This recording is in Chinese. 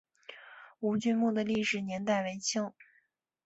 吴郡墓的历史年代为清。